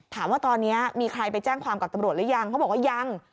ถามว่าตอนนี้มีใครไปแจ้งความกับตำรวจหรือยังเขาบอกว่ายัง